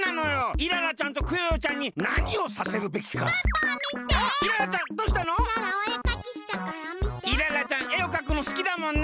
イララちゃん絵をかくのすきだもんね。